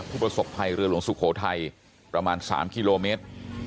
ทุปศพัยเรือหลวงศุโครไทแมตรประมาณสามกิโลเมตร